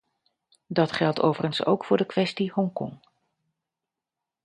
Dat geldt overigens ook voor de kwestie-Hongkong.